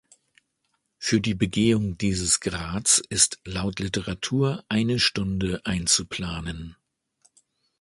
Für die Begehung dieses Grats ist laut Literatur eine Stunde einzuplanen.